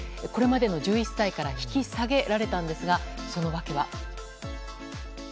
これまでの１１歳から引き下げられたんですがそのわけは？